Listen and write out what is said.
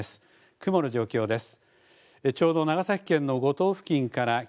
雲の状況です。